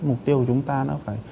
mục tiêu của chúng ta nó phải